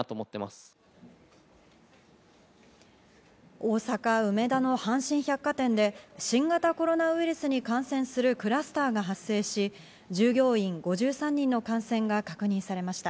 大阪・梅田の阪神百貨店で新型コロナウイルスの感染するクラスターが発生し、従業員５３人の感染が確認されました。